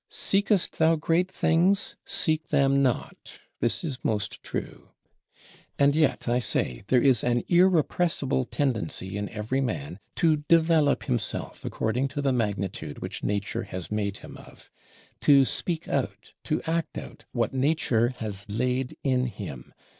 "Seekest thou great things, seek them not:" this is most true. And yet, I say, there is an irrepressible tendency in every man to develop himself according to the magnitude which Nature has made him of; to speak out, to act out, what Nature has laid in him.